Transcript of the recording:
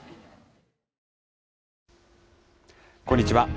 こんにちは。